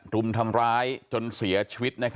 รุมทำร้ายจนเสียชีวิต